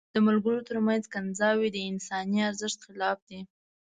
د ملګرو تر منځ کنځاوي د انساني ارزښت خلاف دي.